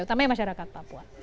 utamanya masyarakat papua